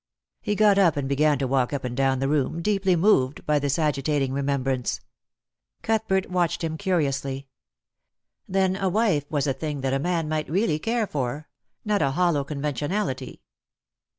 He got up and began to walk up and down the room, deeply moved by this agitating remembrance. Cuthbert watched him curiously. Then a wife was a thing that a man might really care for — not a hollow conventionality.